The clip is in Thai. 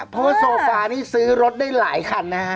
เพราะว่าโซฟานี่ซื้อรถได้หลายคันนะฮะ